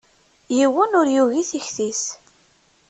Yiwen ur yugi tikti-s.